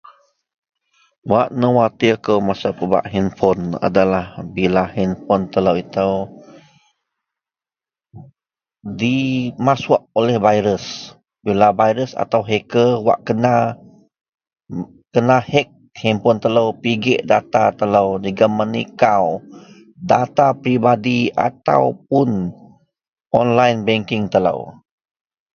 Wak nuwatir kou, masa pebak henpon adalah bila henpon telou itou dimasuok oleh baires. Bila baires atau heker wak kena, kena hek henpon telou pigek data telou jegem menikau data peribadi ataupun onlaen bengking telou